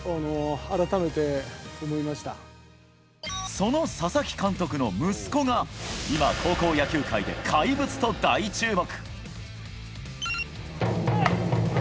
その佐々木監督の息子が今高校野球界で怪物と大注目。